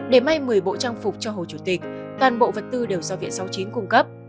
để may một mươi bộ trang phục cho hồ chủ tịch toàn bộ vật tư đều do viện sáu mươi chín cung cấp